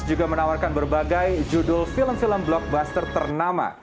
juga menawarkan berbagai judul film film blockbuster ternama